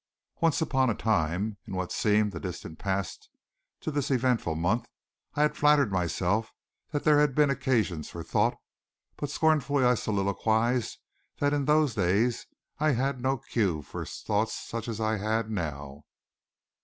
Once upon a time, in what seemed the distant past to this eventful month, I had flattered myself there had been occasions for thought, but scornfully I soliloquized that in those days I had no cue for thought such as I had now.